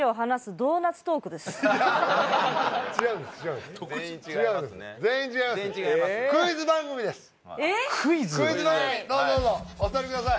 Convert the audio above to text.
どうぞどうぞお座りください